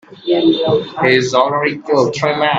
He's already killed three men.